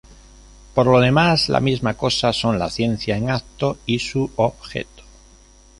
Por lo demás, la misma cosa son la ciencia en acto y su objeto.